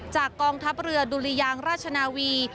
กองทัพเรือดุริยางราชนาวี